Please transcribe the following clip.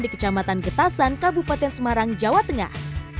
di kecamatan getasan kabupaten semarang jawa tengah